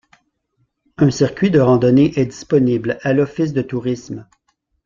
Un circuit de randonnée est disponible à l’office de tourisme.